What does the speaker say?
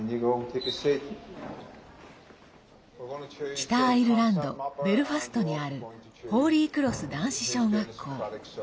北アイルランドベルファストにあるホーリークロス男子小学校。